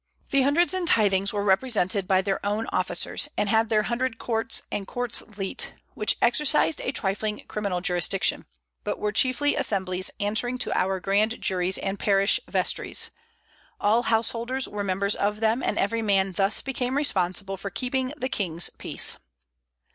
The hundreds and tythings were represented by their own officers, and had their hundred courts and courts leet, which exercised a trifling criminal jurisdiction, but were chiefly assemblies answering to our grand juries and parish vestries. All householders were members of them, and every man thus became responsible for keeping the king's peace."